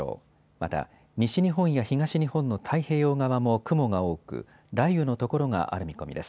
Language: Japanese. また西日本や東日本の太平洋側も雲が多く雷雨の所がある見込みです。